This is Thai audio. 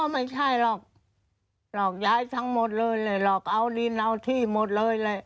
ไม่ใช่หรอกหลอกย้ายทั้งหมดเลยเลยหลอกเอาดินเอาที่หมดเลยแหละ